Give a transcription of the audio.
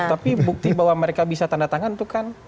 tapi bukti bahwa mereka bisa tanda tangan itu kan